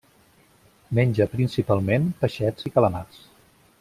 Menja principalment peixets i calamars.